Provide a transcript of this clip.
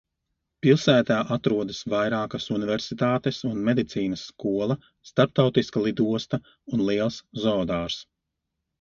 Pilsētā atrodas vairākas universitātes un medicīnas skola, starptautiska lidosta un liels zoodārzs.